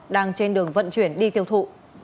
đang trên đường vận chuyển đi tiêu thụ